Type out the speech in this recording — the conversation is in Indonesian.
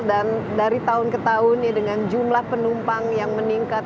dan dari tahun ke tahun ya dengan jumlah penumpang yang meningkat